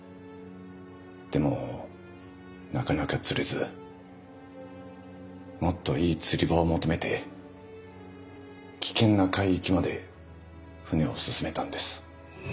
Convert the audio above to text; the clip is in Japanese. でもなかなか釣れずもっといい釣り場を求めて危険な海域まで船を進めたんです。